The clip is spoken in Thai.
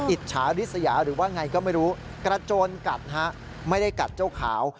อิจฉาริสยาหรือว่าไงก็ไม่รู้กระโจนกัดฮะไม่ได้กัดเจ้าขาว